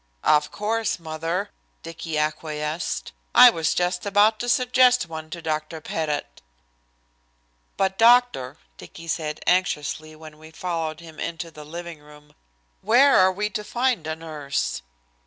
"Of course, mother," Dicky acquiesced. "I was just about to suggest one to Dr. Pettit." "But, doctor," Dicky said anxiously when we followed him into the living room, "where are we to find a nurse?"